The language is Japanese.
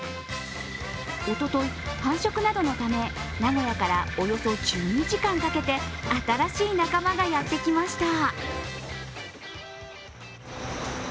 おととい、繁殖などのため名古屋からおよそ１２時間をかけ新しい仲間がやってきました。